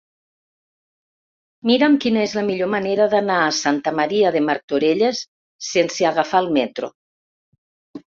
Mira'm quina és la millor manera d'anar a Santa Maria de Martorelles sense agafar el metro.